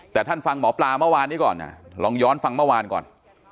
แต่ท่านฟังหมอปลาเมื่อวานนี้ก่อนลองย้อนฟังเมื่อวานก่อน